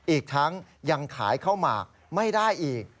อีกทั้งยังขายข้าวหมากไม่ได้อีก